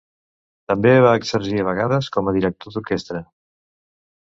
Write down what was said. També va exercir a vegades com a director d'orquestra.